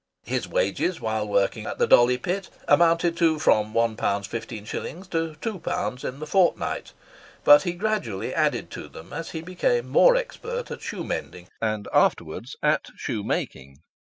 His wages while working at the Dolly Pit amounted to from £1 15s. to £2 in the fortnight; but he gradually added to them as he became more expert at shoe mending, and afterwards at shoe making.